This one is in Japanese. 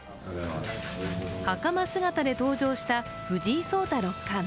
はかま姿で登場した藤井聡太六冠。